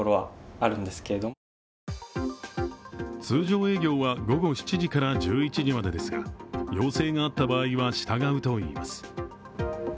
通常営業は午後７時から１１時までですが、要請があった場合は従うといいます。